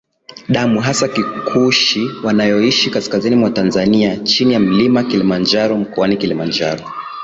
damu hasa ya Kikushi wanaoishi kaskazini mwa Tanzania chini ya mlima Kilimanjaro mkoani Kilimanjaro